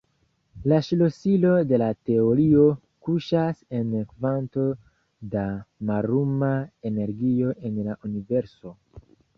La ŝlosilo de la teorio kuŝas en kvanto da malluma energio en la Universo.